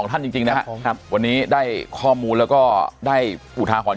ท่านจริงนะครับวันนี้ได้ข้อมูลแล้วก็ได้อุทาหรณ์